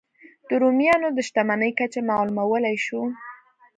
د رومیانو د شتمنۍ کچه معلومولای شو.